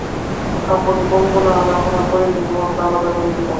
আপনি পঙ্গু না হলে আপনার শরীর থেকে মাথাটা আলাদা করে দিতাম।